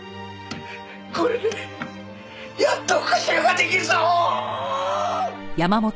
これでやっと復讐が出来るぞ！